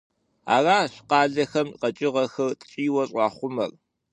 Аращ къалэхэм къэкӀыгъэхэр ткӀийуэ щӀахъумэр.